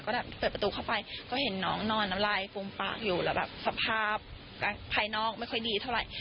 ก็แบบเปิดประตูเข้าไปก็เห็นน้องนอนน้ำลายฟูมปากอยู่แล้วแบบสภาพภายนอกไม่ค่อยดีเท่าไหร่